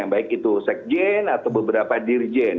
baik itu sekjen atau beberapa dirjen